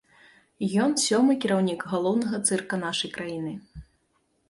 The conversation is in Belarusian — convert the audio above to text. Ён сёмы кіраўнік галоўнага цырка нашай краіны.